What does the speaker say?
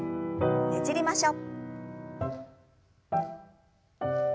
ねじりましょう。